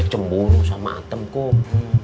saya cemburu sama atem kum